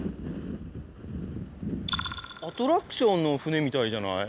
アトラクションの船みたいじゃない？